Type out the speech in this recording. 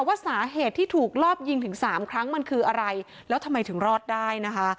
ว่าสาเหตุที่ถูกรอบยิงถึงสามครั้งมันคืออะไรแล้วทำไมถึงรอดได้นะคะ